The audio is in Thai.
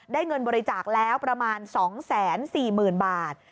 เงินบริจาคแล้วประมาณ๒๔๐๐๐บาท